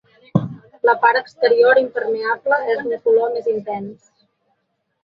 La part exterior, impermeable, és d’un color més intens.